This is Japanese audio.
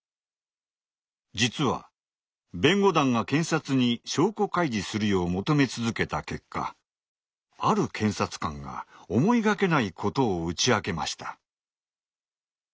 実は弁護団が検察に証拠開示するよう求め続けた結果ある検察官が思いがけないことを打ち明けました。